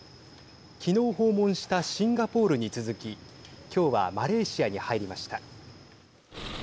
昨日訪問したシンガポールに続き今日はマレーシアに入りました。